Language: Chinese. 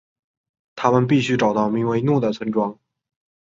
他们必须找到名为怒的村庄。